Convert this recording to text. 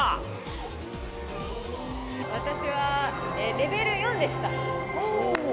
私はレベル４でした。